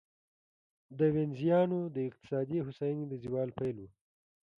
دا د وینزیانو د اقتصادي هوساینې د زوال پیل و.